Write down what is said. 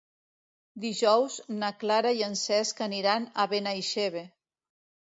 Dijous na Clara i en Cesc aniran a Benaixeve.